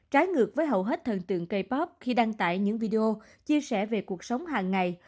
trái ngược với hầu hết thần tượng k pop khi đăng tải những video chia sẻ về cuộc sống hàng ngày